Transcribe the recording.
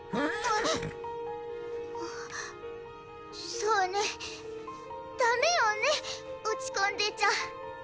そうねだめよねおちこんでちゃ。